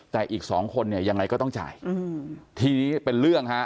แต่อีกสองคนเนี่ยยังไงก็ต้องจ่ายทีนี้เป็นเรื่องฮะ